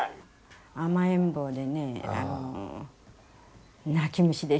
「甘えん坊でね泣き虫でしたね」